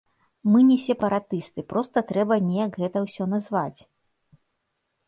Мы не сепаратысты, проста трэба неяк гэта ўсё назваць.